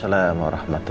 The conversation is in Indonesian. whalesan yang seggup gitu